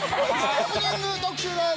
ハプニング特集です。